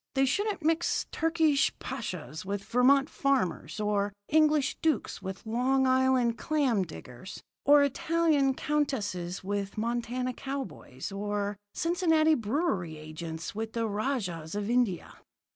They shouldn't mix Turkish pashas with Vermont farmers, or English dukes with Long Island clam diggers, or Italian countesses with Montana cowboys, or Cincinnati brewery agents with the rajahs of India."